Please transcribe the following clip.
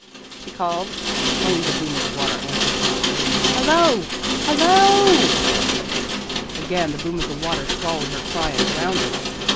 she called. Only the boom of the water answered. "Hallo! Hallo o o!" Again the boom of the water swallowed her cry and drowned it.